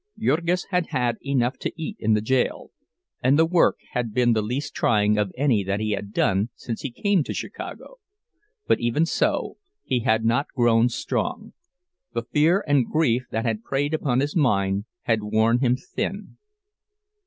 Jurgis had had enough to eat in the jail, and the work had been the least trying of any that he had done since he came to Chicago; but even so, he had not grown strong—the fear and grief that had preyed upon his mind had worn him thin.